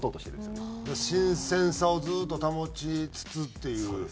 だから新鮮さをずっと保ちつつっていう。